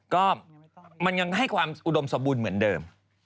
ก็มันยังให้ความอุดมสมบูรณ์เหมือนเดิม